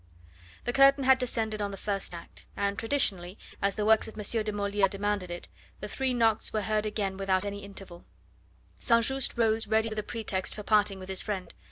The curtain had descended on the first act, and traditionally, as the works of M. de Moliere demanded it, the three knocks were heard again without any interval. St. Just rose ready with a pretext for parting with his friend.